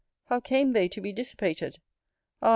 How came they to be dissipated? Ah!